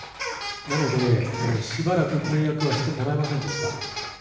なので、しばらく契約はしてもらえませんでした。